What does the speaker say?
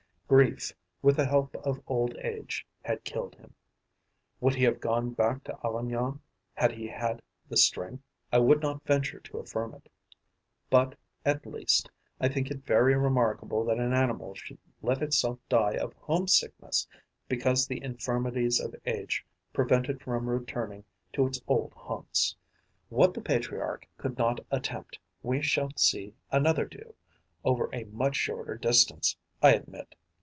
Grief, with the help of old age, had killed him. Would he have gone back to Avignon, had he had the strength? I would not venture to affirm it. But, at least, I think it very remarkable that an animal should let itself die of home sickness because the infirmities of age prevent it from returning to its old haunts. What the patriarch could not attempt, we shall see another do, over a much shorter distance, I admit.